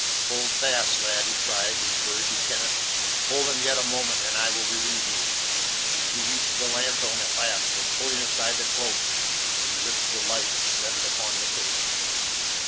"Hold fast, lad," he cried, encouraging Kenneth, "hold him yet a moment, and I will relieve you!" He reached the lanthorn at last, and pulling aside the cloak, he lifted the light and set it upon the table.